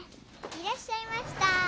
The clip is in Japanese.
いらっしゃいました。